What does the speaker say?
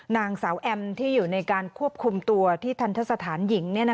นางสาวแอมที่อยู่ในการควบคุมตัวที่ทันทสถานหญิง